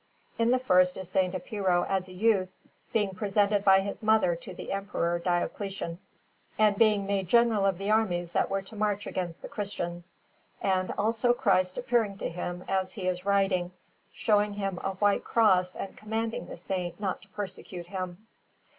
In the first is S. Epiro, as a youth, being presented by his mother to the Emperor Diocletian, and being made General of the armies that were to march against the Christians; and also Christ appearing to him as he is riding, showing him a white Cross and commanding the Saint not to persecute Him.